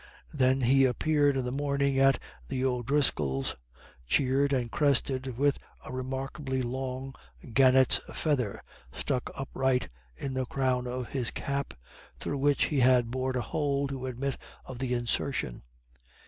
Then he appeared in the morning at the O'Driscolls', cheered, and crested with a remarkably long gannet's feather stuck upright in the crown of his cap, through which he had bored a hole to admit of the insertion.